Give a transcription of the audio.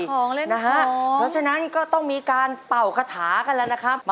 เพราะฉะนั้นก็ต้องมีการเป่าคาถากันแล้วนะครับ